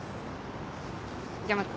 じゃまた。